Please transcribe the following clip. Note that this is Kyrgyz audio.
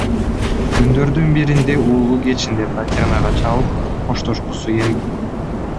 Күндөрдүн биринде уулу кечинде Татьянага чалып, коштошкусу келген.